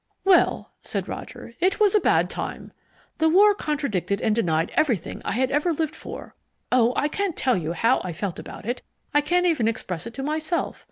"Well," said Roger, "it was a bad time. The war contradicted and denied everything I had ever lived for. Oh, I can't tell you how I felt about it. I can't even express it to myself.